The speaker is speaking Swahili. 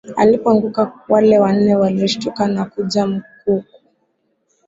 Alipoanguka wale wanne walishtuka na kuja mkuku